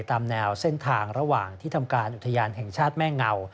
ตามแนวเส้นทางระหว่างที่ทำการอุทยานแห่งชาติแม่เงา